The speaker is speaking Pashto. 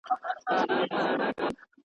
د درخانۍ د ځوانیمرګو حجابونو کیسه ..